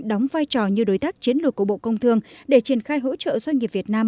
đóng vai trò như đối tác chiến lược của bộ công thương để triển khai hỗ trợ doanh nghiệp việt nam